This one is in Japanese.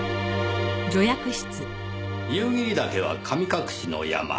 夕霧岳は神隠しの山。